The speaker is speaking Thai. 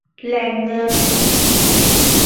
แหล่งเงิน